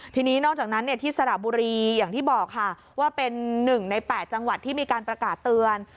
ทีนี้นอกจากนั้นที่สระบุรีอย่างที่บอกค่ะว่าเป็น๑ใน๘จังหวัดที่มีการประกาศเตือน